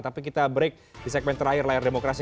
tapi kita break di segmen terakhir layar demokrasi